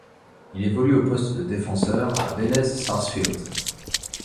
Il évolue au poste de défenseur à Vélez Sarsfield.